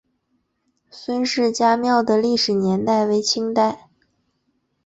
孙氏家庙的历史年代为清代。